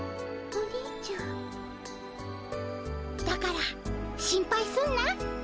だから心配すんな。